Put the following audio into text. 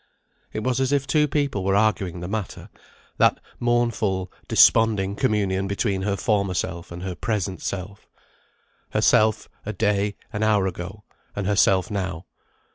It was as if two people were arguing the matter; that mournful, desponding communion between her former self and her present self. Herself, a day, an hour ago; and herself now.